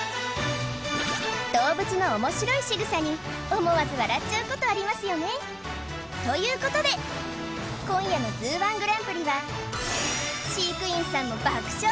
動物の面白い仕草に思わず笑っちゃうことありますよね？ということで今夜の「ＺＯＯ−１グランプリ」は飼育員さんも爆笑！